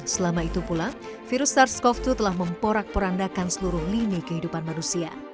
selama itu pula virus sars cov dua telah memporak porandakan seluruh lini kehidupan manusia